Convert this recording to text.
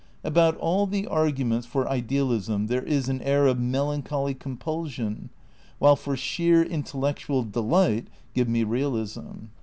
About all the arguments for idealism there is an air of melancholy compulsion, while for sheer intellectual delight, give me realism.